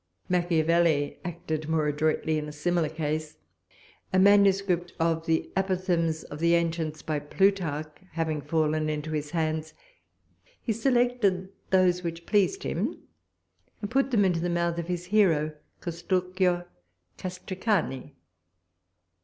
Machiavelli acted more adroitly in a similar case; a manuscript of the Apophthegms of the Ancients by Plutarch having fallen into his hands, he selected those which pleased him, and put them into the mouth of his hero Castrucio Castricani.